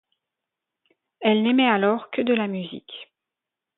Elle n'émet alors que de la musique.